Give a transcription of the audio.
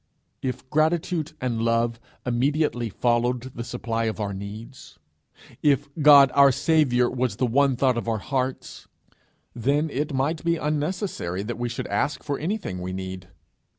If gratitude and love immediately followed the supply of our needs, if God our Saviour was the one thought of our hearts, then it might be unnecessary that we should ask for anything we need.